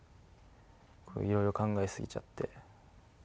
いろいろ考え過ぎちゃって。